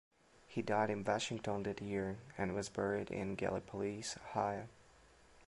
He died in Washington that year and was buried in Gallipolis, Ohio.